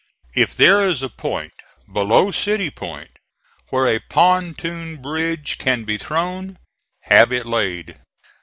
If there is a point below City Point where a pontoon bridge can be thrown, have it laid.